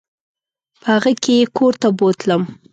په هغه کې یې کور ته بوتلم.